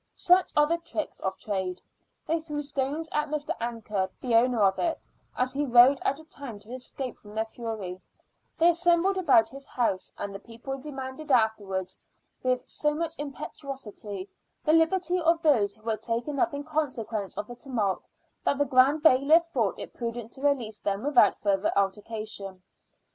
Such are the tricks of trade. They threw stones at Mr. Anker, the owner of it, as he rode out of town to escape from their fury; they assembled about his house, and the people demanded afterwards, with so much impetuosity, the liberty of those who were taken up in consequence of the tumult, that the Grand Bailiff thought it prudent to release them without further altercation.